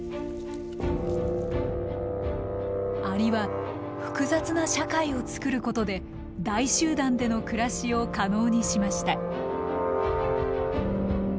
アリは複雑な社会を作ることで大集団での暮らしを可能にしました。